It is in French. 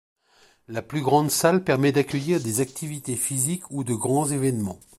La plus grande salle permet d'accueillir des activités physiques ou de grands événements.